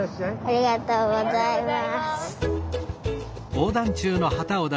ありがとうございます。